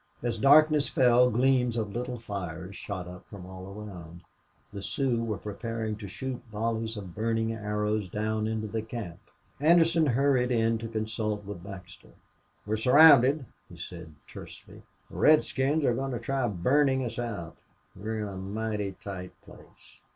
As darkness fell gleams of little fires shot up from all around. The Sioux were preparing to shoot volleys of burning arrows down into the camp. Anderson hurried in to consult with Baxter. "We're surrounded," he said, tersely. "The redskins are goin' to try burnin' us out. We're in a mighty tight place."